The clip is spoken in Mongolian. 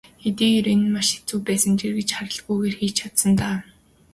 Хэдийгээр энэ нь маш хэцүү байсан ч эргэж харалгүйгээр хийж чадсан даа.